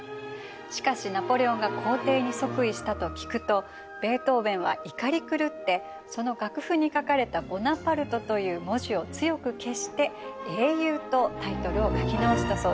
しかしナポレオンが皇帝に即位したと聞くとベートーベンは怒り狂ってその楽譜に書かれた「ボナパルト」という文字を強く消して「英雄」とタイトルを書き直したそうです。